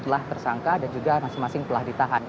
telah tersangka dan juga masing masing telah ditahan